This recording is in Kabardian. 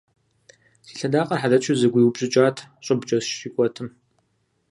Си лъэдакъэр хьэлэчу зэгуиупщӏыкӏащ щӏыбкӏэ сщикӏуэтым.